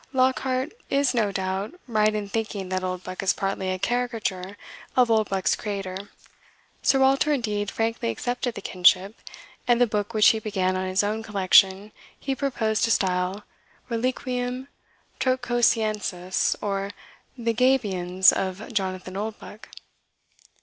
Lockhart is no doubt right in thinking that Oldbuck is partly a caricature of Oldbuck's creator, Sir Walter indeed frankly accepted the kinship; and the book which he began on his own collection he proposed to style "Reliquim Trotcosienses; or, the Gabions of Jonathan Oldbuck."